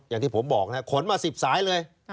อย่างที่ผมบอกนะขนมา๑๐สายเลย